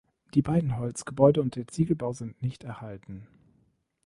Die beiden Holzgebäude und der Ziegelbau sind nicht erhalten.